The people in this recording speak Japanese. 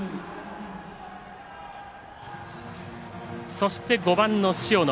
そして、５番の塩野。